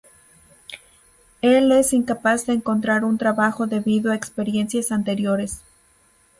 Él es incapaz de encontrar un trabajo debido a experiencias anteriores.